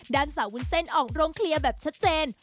ด้านสาววุ้นเส้นออกโรงเคลียร์แบบชัดเจน